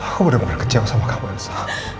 aku udah bener bener kecewa sama kamu elsa